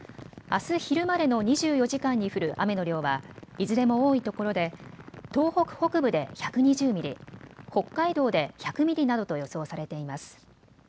あす昼までの２４時間に降る雨の量はいずれも多いところで東北北部で１２０ミリ、北海道で１００ミリなどと予想されています。